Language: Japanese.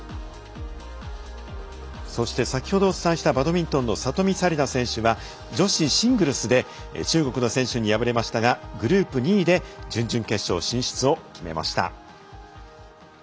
そして、先ほどお伝えしたバドミントンの里見紗李奈選手は女子シングルスで中国の選手に敗れましたがグループ２位で準々決勝進出を決めました。